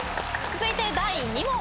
続いて第２問。